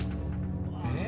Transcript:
えっ